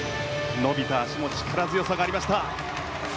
伸びた脚も力強さがありました。